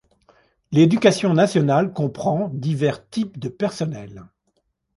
L'Éducation nationale comprend divers type de personnels.